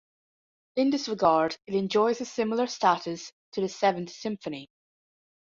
In this regard it enjoys a similar status to the Seventh Symphony.